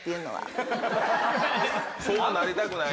そうなりたくない。